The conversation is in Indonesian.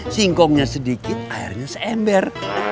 singkongnya sedikit airnya seember